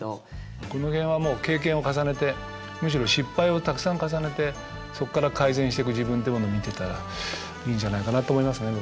この辺はもう経験を重ねてむしろ失敗をたくさん重ねてそこから改善していく自分ってものを見ていったらいいんじゃないかなと思いますね。